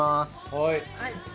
はい。